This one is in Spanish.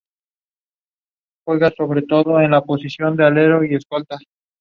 Dinamizar la industria y el comercio, facilitando el intercambio y conexión con el mundo.